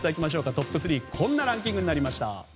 トップ３こんなランキングになりました。